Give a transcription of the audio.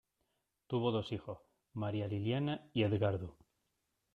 Tuvo dos hijos, María Liliana y Edgardo.